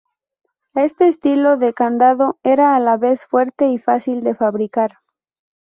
Este estilo de candado era a la vez fuerte y fácil de fabricar.